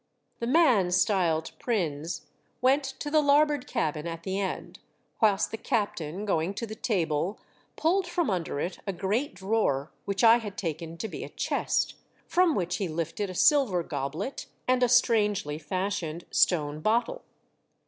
The man styled Prins went to the larboard cabin at the end, whilst the captain, going to the table, pulled from under it a great drawer, which I had taken to be a chest, from which he lifted a silver goblet and a strangely fashioned stone bottle.